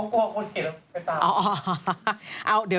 กลัวคนเห็นแล้วไปตาม